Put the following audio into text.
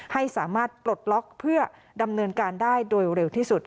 ให้สามารถปลดล็อกเพื่อดำเนินการได้โดยเร็วที่สุด